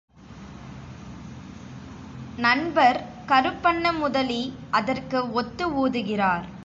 நண்பர் கறுப்பண்ண முதலி அதற்கு ஒத்து ஊதுகிறார்.